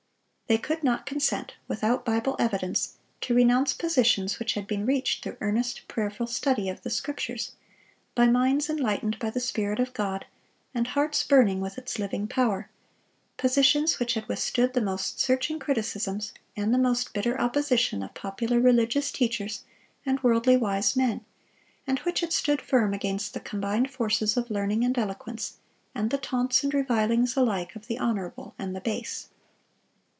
They could not consent, without Bible evidence, to renounce positions which had been reached through earnest, prayerful study of the Scriptures, by minds enlightened by the Spirit of God, and hearts burning with its living power; positions which had withstood the most searching criticisms and the most bitter opposition of popular religious teachers and worldly wise men, and which had stood firm against the combined forces of learning and eloquence, and the taunts and revilings alike of the honorable and the base.